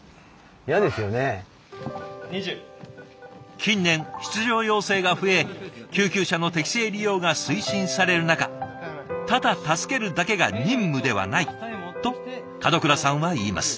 近年出場要請が増え救急車の適正利用が推進される中ただ助けるだけが任務ではないと門倉さんは言います。